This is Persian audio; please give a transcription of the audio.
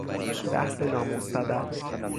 بحث نامستدل